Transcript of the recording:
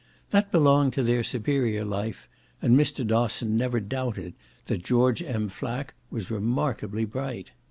That belonged to their superior life, and Mr. Dosson never doubted that George M. Flack was remarkably bright.